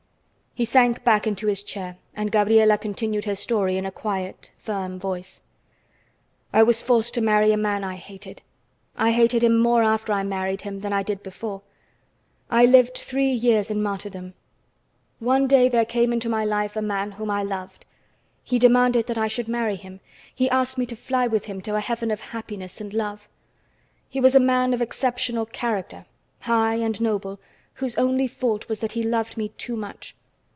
He sank back into his chair, and Gabriela continued her story in a quiet, firm voice: "I was forced to marry a man I hated. I hated him more after I married him than I did before. I lived three years in martyrdom. One day there came into my life a man whom I loved. He demanded that I should marry him, he asked me to fly with him to a heaven of happiness and love. He was a man of exceptional character, high and noble, whose only fault was that he loved me too much.